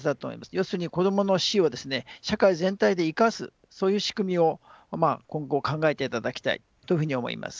要するに子どもの死を社会全体で生かすそういう仕組みを今後考えていただきたいというふうに思います。